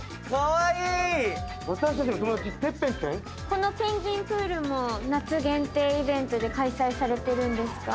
このペンギンプールも夏限定イベントで開催されてるんですか？